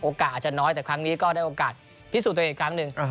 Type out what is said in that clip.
อาจจะน้อยแต่ครั้งนี้ก็ได้โอกาสพิสูจน์ตัวเองอีกครั้งหนึ่ง